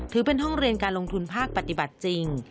เป็นห้องเรียนการลงทุนภาคปฏิบัติจริง